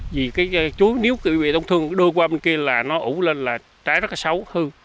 vì cái chuối nếu bị tổn thương đôi qua bên kia là nó ủ lên là trái rất là xấu hư